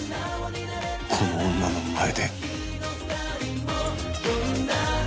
この女の前で